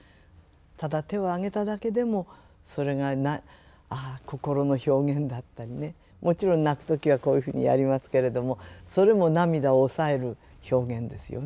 ただ手を上げただけでもそれがああ心の表現だったりねもちろん泣く時はこういうふうにやりますけれどもそれも涙を抑える表現ですよね。